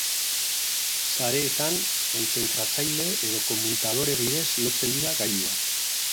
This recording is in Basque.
Sareetan kontzentratzaile edo kommutadore bidez lotzen dira gailuak.